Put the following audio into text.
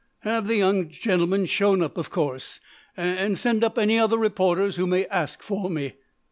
"Have the young gentleman shown up, of course. And send up any other reporters who may ask for me."